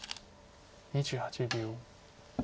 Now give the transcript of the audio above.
２８秒。